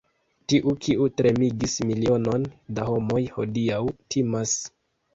Tiu, kiu tremigis milionon da homoj, hodiaŭ timas!